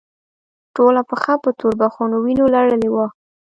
ټوله پښه په توربخونو وينو لړلې وه.